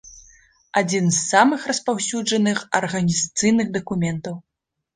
Адзін з самых распаўсюджаных арганізацыйных дакументаў.